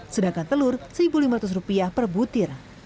sedangkan telur rp satu lima ratus per butir